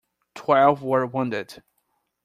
Twelve were wounded.